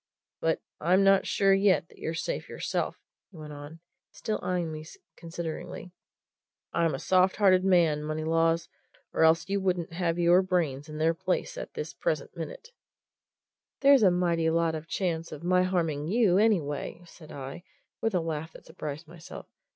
But I'm not sure yet that you're safe yourself," he went on, still eyeing me consideringly. "I'm a soft hearted man, Moneylaws or else you wouldn't have your brains in their place at this present minute!" "There's a mighty lot of chance of my harming you, anyway!" said I, with a laugh that surprised myself.